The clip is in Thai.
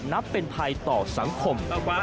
นับเป็นภัยต่อสังคม